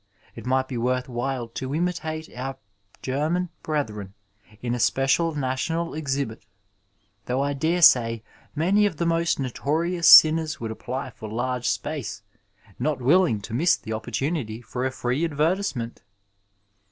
It might be worth while to imitate our German brethren in a special national exhibit, though I dare say many of the most notorious sinners would apply for large space, not willing to miss the oppor tunity for a free advertisement